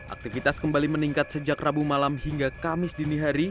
aktivitas kembali meningkat sejak rabu malam hingga kamis dini hari